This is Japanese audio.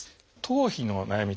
頭皮の悩み